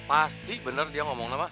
pasti bener dia ngomongnya ma